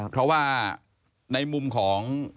เพราะว่าในมุมของ